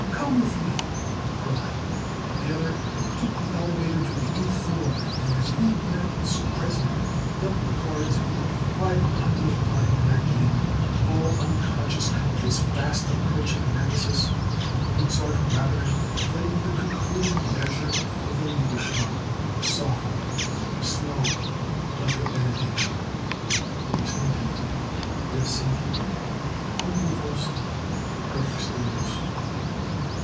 "Come with me," he cried. Together they took the elevator to the eighth floor and, as Ignatz Kresnick dealt the cards for the five hundredth time in that game, all unconscious of his fast approaching Nemesis, Mozart Rabiner played the concluding measures of the Liebestod softly, slowly, like a benediction: _Ertrinken Versinken Unbewusst Höchste Lust.